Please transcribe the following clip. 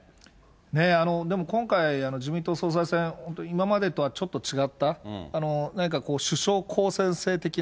ねえ、でも今回、自民党総裁選、本当に今までとはちょっと違った、何か首相公選制的な。